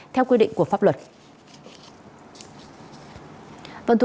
theo quy định của pháp luật